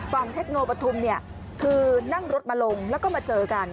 ฝั่งเทคโนปฐุมคือนั่งรถมาลงแล้วก็มาเจอกัน